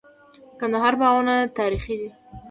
د کندهار باغونه تاریخي دي.